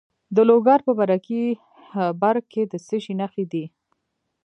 د لوګر په برکي برک کې د څه شي نښې دي؟